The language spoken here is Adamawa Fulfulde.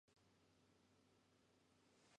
Ndaa mukka ɓuran ndaa wakka.